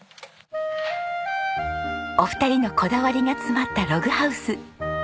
お二人のこだわりが詰まったログハウス。